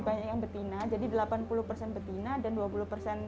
pengiriman jumlah n screws